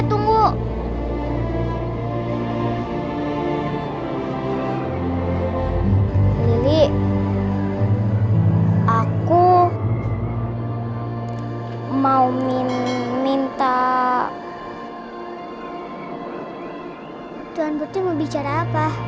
tuan putri mau bicara apa